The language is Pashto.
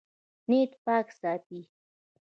نیت پاک ساتئ